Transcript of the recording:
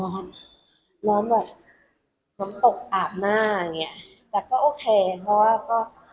ร้อนนอนแบบน้ำตกอาบหน้าอย่างเงี้ยแต่ก็โอเคเพราะว่าก็